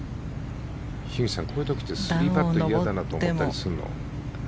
樋口さん、こういう時って３パット嫌だなって思ったりするの？